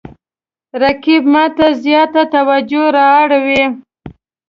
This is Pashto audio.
رقیب ما ته زیاته توجه را اړوي